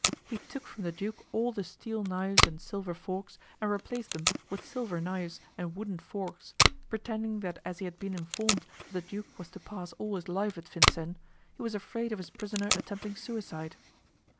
He took from the duke all the steel knives and silver forks and replaced them with silver knives and wooden forks, pretending that as he had been informed that the duke was to pass all his life at Vincennes, he was afraid of his prisoner attempting suicide.